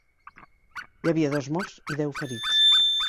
Hi havia dos morts i deu ferits.